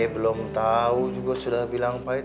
belum tahu juga sudah bilang pahit